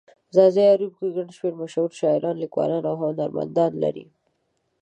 ځاځي اريوب گڼ شمېر مشهور شاعران، ليکوالان او هنرمندان لري.